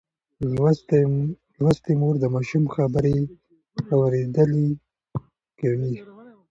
لوستې مور د ماشوم خبرې اورېدلي کوي.